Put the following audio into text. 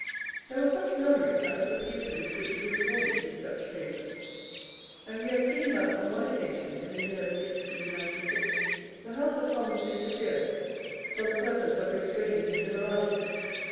There was much murmuring at the profusion with which he rewarded his Dutch favourites; and we have seen that, on one occasion in the year 1696, the House of Commons interfered for the purpose of restraining his liberality.